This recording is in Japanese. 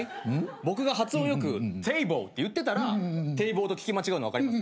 僕が発音良くＴａｂｌｅって言ってたら堤防と聞き間違うの分かります。